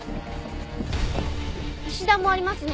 石段もありますね。